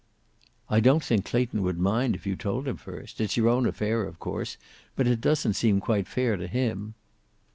"I don't think Clayton would mind, if you told him first. It's your own affair, of course, but it doesn't seem quite fair to him."